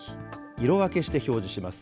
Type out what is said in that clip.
色分けして表示します。